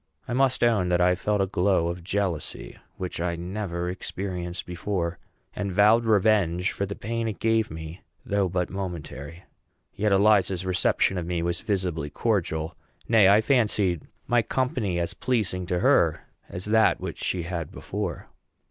I must own that I felt a glow of jealousy, which I never experienced before, and vowed revenge for the pain it gave me, though but momentary. Yet Eliza's reception of me was visibly cordial; nay, I fancied my company as pleasing to her as that which she had before.